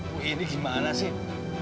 bu indi gimana sih